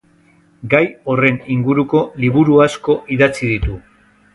Gai horren inguruko liburu asko idatzi ditu.